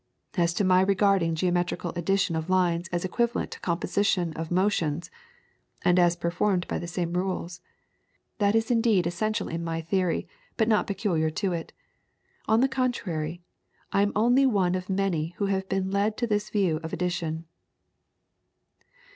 As to my regarding geometrical addition of lines as equivalent to composition of motions (and as performed by the same rules), that is indeed essential in my theory but not peculiar to it; on the contrary, I am only one of many who have been led to this view of addition."